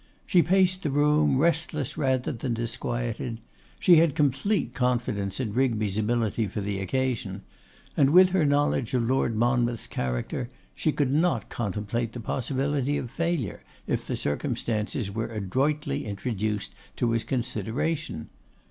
She paced the room, restless rather than disquieted. She had complete confidence in Rigby's ability for the occasion; and with her knowledge of Lord Monmouth's character, she could not contemplate the possibility of failure, if the circumstances were adroitly introduced to his consideration.